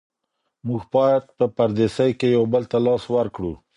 موږ باید په پردیسۍ کې یو بل ته لاس ورکړو.